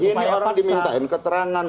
upaya paksa ini orang dimintain keterangan